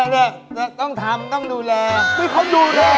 ไม่ก่อนยังไงสายจริง